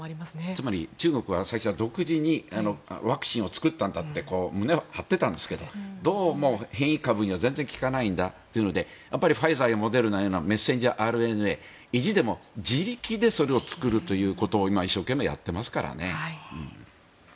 つまり中国は最初に独自にワクチンを作ったんだって胸を張ってたんですけどどうも変異株には全然効かないんだということでファイザーやモデルナのようなメッセンジャーＲＮＡ意地でも自力でそれを作るということを今、一生懸命やってますからね。